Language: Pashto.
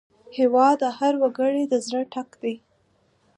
هېواد د هر وګړي د زړه ټک دی.